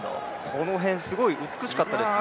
この辺、すごく美しかったですね。